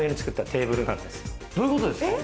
どういうことですか？